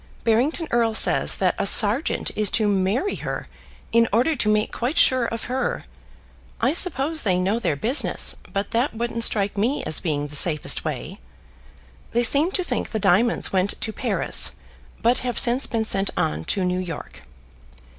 Barrington Erle says that a sergeant is to marry her in order to make quite sure of her. I suppose they know their business; but that wouldn't strike me as being the safest way. They seem to think the diamonds went to Paris but have since been sent on to New York.